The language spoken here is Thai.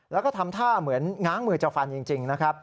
แล้วก็ทำท่าเหมือนง้างมือจะฟันจริงนะครับ